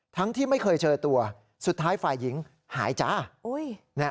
ที่ไม่เคยเจอตัวสุดท้ายฝ่ายหญิงหายจ้า